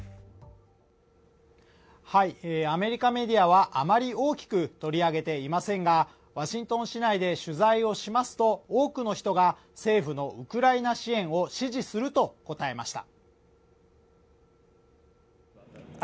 アメリカメディアは、あまり大きく取り上げていませんが、ワシントン市内で取材をしますと多くの人が政府のウクライナ支援を支持すると答えました。